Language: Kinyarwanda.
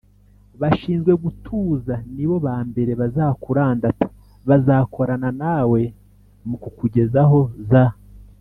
bashinzwe gutuza nibo ba mbere bazakurandata Bazakorana nawe mu kukugezaho za